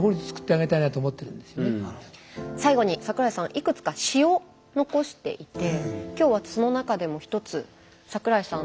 いくつか詩を残していて今日はその中でも１つ桜井さん